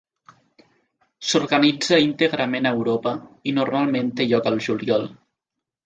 S'organitza íntegrament a Europa i normalment té lloc al juliol.